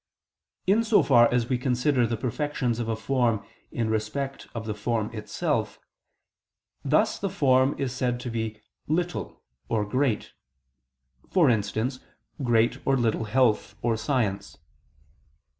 In so far as we consider the perfections of a form in respect of the form itself, thus the form is said to be "little" or "great": for instance great or little health or science.